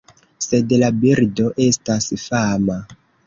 Sed la birdo estas fama.